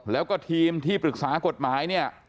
แล้วก็ทีมที่ปรึกษากฎหมายเนี่ย